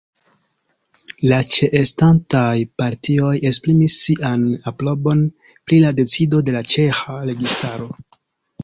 La ĉeestantaj partioj esprimis sian aprobon pri la decido de la ĉeĥa registaro.